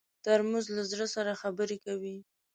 ترموز له زړه سره خبرې کوي.